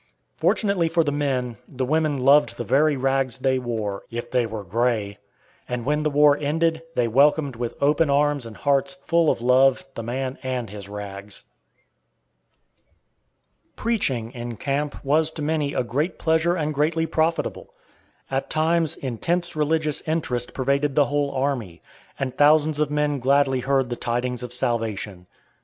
Fortunately for the men, the women loved the very rags they wore, if they were gray; and when the war ended, they welcomed with open arms and hearts full of love the man and his rags. [Illustration: GIRLS IN CAMP.] Preaching in camp was to many a great pleasure and greatly profitable. At times intense religious interest pervaded the whole army, and thousands of men gladly heard the tidings of salvation.